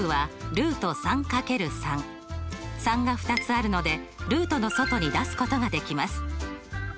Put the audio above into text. ３が２つあるのでルートの外に出すことができます。